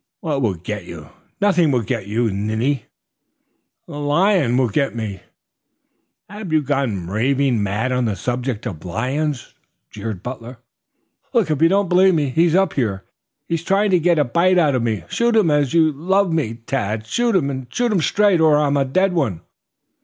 "What will get you? Nothing will get you, you ninny!" "The lion will get me." "Have you gone raving mad on the subject of lions?" jeered Butler. "Look, if you don't believe me. He's up here. He's trying to get a bite out of me. Shoot him, as you love me, Tad; shoot and shoot straight or I'm a dead one."